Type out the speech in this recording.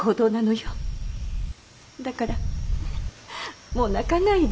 だからもう泣かないで。